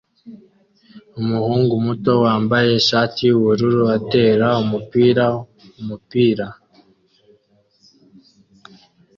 Umuhungu muto wambaye ishati yubururu atera umupira umupira